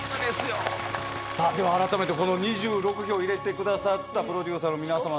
さあでは改めてこの２６票入れてくださったプロデューサーの皆様